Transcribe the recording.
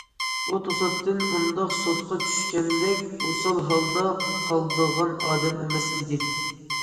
ئۇ توساتتىن ئۇنداق سوتقا چۈشكەندەك ئوسال ھالدا قالىدىغان ئادەم ئەمەس ئىدى.